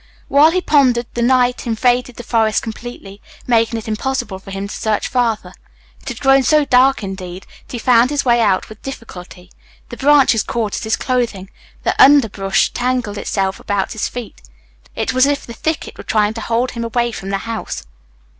While he pondered the night invaded the forest completely, making it impossible for him to search farther. It had grown so dark, indeed, that he found his way out with difficulty. The branches caught at his clothing. The underbrush tangled itself about his feet. It was as if the thicket were trying to hold him away from the house.